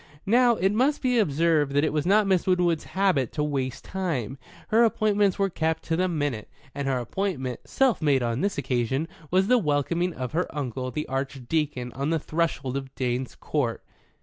Now, it must be observed that it was not Miss Winwood's habit to waste time. Her appointments were kept to the minute, and her appointment (self made on this occasion) was the welcoming of her uncle, the Archdeacon, on the threshold of Drane's Court.